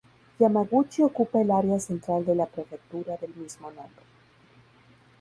Yamaguchi ocupa el área central de la prefectura del mismo nombre.